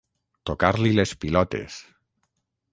Tocar-li les pilotes.